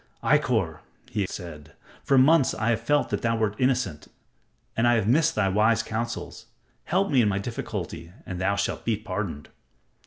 "Ikkor," he said, "for months have I felt that thou wert innocent, and I have missed thy wise counsels. Help me in my difficulty and thou shalt be pardoned."